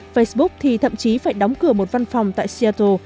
facebook thì thậm chí phải đóng cửa một văn phòng tại seattle